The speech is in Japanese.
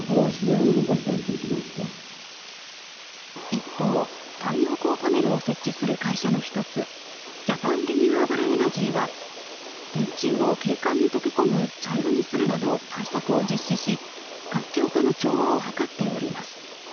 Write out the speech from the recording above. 一方、太陽光パネルを設置する会社の１つジャパン・リニューアブル・エナジーは電柱を景観に溶け込む茶色にするなど対策を実施し環境との調和を図っております。